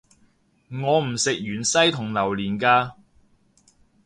我唔食芫茜同榴連架